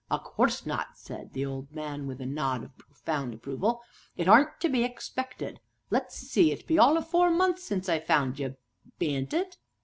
"A course not!" said the old man, with a nod of profound approval "it aren't to be expected. Let's see, it be all o' four months since I found ye, bean't it?"